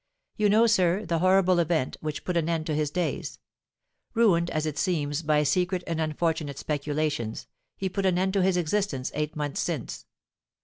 You know, sir, the horrible event which put an end to his days. Ruined, as it seems, by secret and unfortunate speculations, he put an end to his existence eight months since.